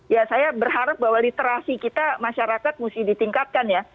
ya saya berharap bahwa literasi kita masyarakat mesti ditingkatkan ya